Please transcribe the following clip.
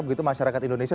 begitu masyarakat indonesia